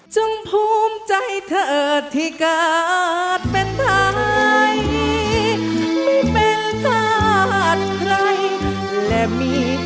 สวัสดีครับ